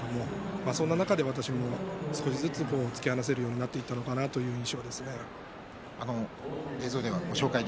その中で少しずつ突き放せるようになったのかなという印象ですね。